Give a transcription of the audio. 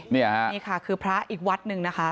นี่ค่ะนี่ค่ะคือพระอีกวัดหนึ่งนะคะ